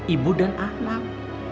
ibu dan anak